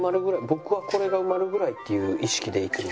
僕はこれが埋まるぐらいっていう意識でいつも。